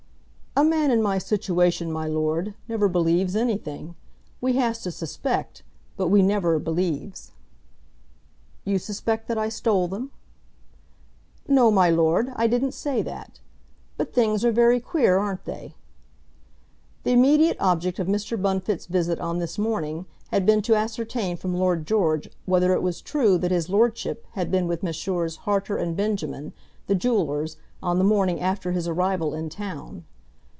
"A man in my situation, my lord, never believes anything. We has to suspect, but we never believes." "You suspect that I stole them?" "No, my lord; I didn't say that. But things are very queer; aren't they?" The immediate object of Mr. Bunfit's visit on this morning had been to ascertain from Lord George whether it was true that his lordship had been with Messrs. Harter and Benjamin, the jewellers, on the morning after his arrival in town.